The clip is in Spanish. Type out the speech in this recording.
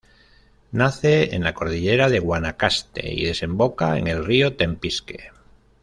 Nace en la Cordillera de Guanacaste y desemboca en el Río Tempisque.